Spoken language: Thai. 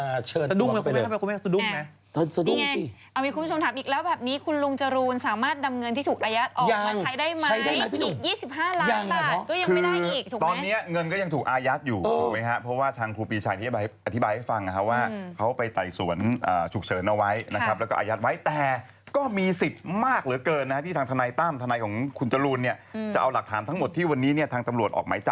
ยังใช้ได้ไหมพี่ตุ๋มยังเหรอคือตอนเนี้ยเงินก็ยังถูกอายัดอยู่เพราะว่าทางครูปีชัยที่จะอธิบายให้ฟังว่าเขาไปไต่สวนฉุกเฉินเอาไว้นะครับแล้วก็อายัดไว้แต่ก็มีสิทธิ์มากเหลือเกินนะฮะที่ทางทะนายต้ามทะนายของคุณจรูณเนี้ยอืมจะเอาหลักฐานทั้งหมดที่วันนี้เนี้ยทางตำรวจ